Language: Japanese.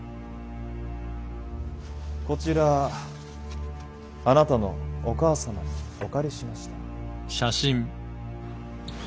こちらあなたのお母様にお借りしました。